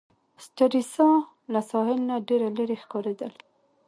سټریسا له ساحل نه ډېره لیري ښکاریدل.